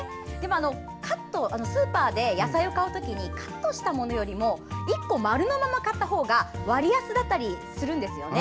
スーパーで野菜を買う時にカットしたものよりも１個、丸のまま買った方が割安だったりしますよね。